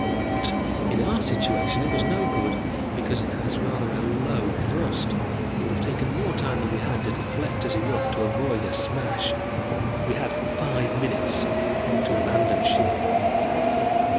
But in our situation it was no good because it has rather a low thrust. It would have taken more time than we had to deflect us enough to avoid a smash. We had five minutes to abandon ship.